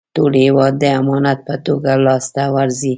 ټول هېواد د امانت په توګه لاسته ورځي.